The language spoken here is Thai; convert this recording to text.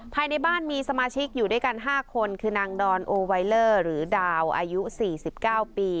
ภายในบ้านมีสมาชิกอยู่ด้วยกัน๕คนคือนางดอนโอไวเลอร์หรือดาวอายุ๔๙ปี